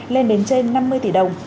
lên đến trên năm mươi tỷ đồng